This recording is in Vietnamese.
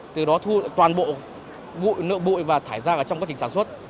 từ đó thu toàn bộ bụi nợ bụi và thải ra trong quá trình sản xuất